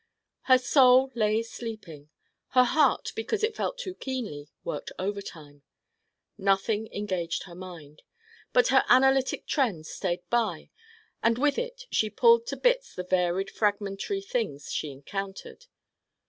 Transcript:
Her Soul lay sleeping: her Heart because it felt too keenly worked overtime: nothing engaged her Mind. But her analytic trend stayed by and with it she pulled to bits the varied fragmentary things she encountered.